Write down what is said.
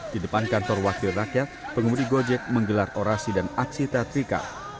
di depan kantor wakil rakyat pengemudi gojek menggelar orasi dan aksi teatrika